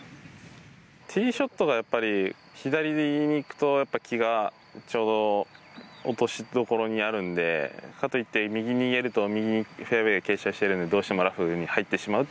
ティーショットが左に行くと木がちょうど落としどころにあるのでかといって右に逃げると、右にフェアウェーが傾斜しているのでどうしてもラフに入ってしまう。